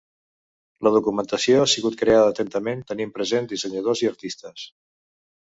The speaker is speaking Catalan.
La documentació ha sigut creada atentament, tenint presents dissenyadors i artistes.